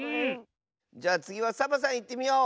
じゃあつぎはサボさんいってみよう！